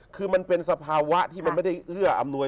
คือมันเป็นสภาวะที่มันไม่ได้เอื้ออำนวย